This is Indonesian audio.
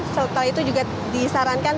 setelah itu juga disarankan